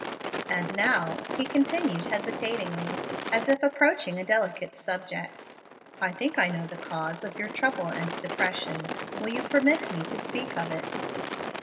"And now," he continued hesitatingly, as if approaching a delicate subject, "I think I know the cause of your trouble and depression. Will you permit me to speak of it?"